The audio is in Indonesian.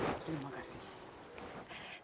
usaha menyusuri sungai ciliwung